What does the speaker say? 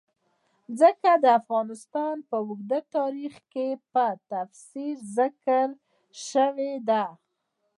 ځمکه د افغانستان په اوږده تاریخ کې په تفصیل ذکر شوی دی.